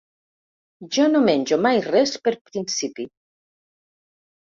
Jo no menjo mai res per principi.